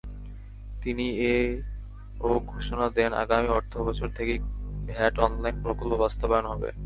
তিনি এ-ও ঘোষণা দেন, আগামী অর্থবছর থেকেই ভ্যাট অনলাইন প্রকল্প বাস্তবায়ন হবে।